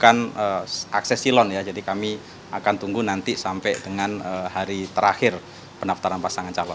kita akan akses silon ya jadi kami akan tunggu nanti sampai dengan hari terakhir pendaftaran pasangan calon